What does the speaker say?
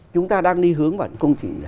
chúng ta đang đi hướng vào những công trình